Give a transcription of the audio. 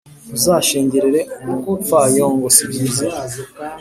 Ntuzashyengere umupfayongo sibyiza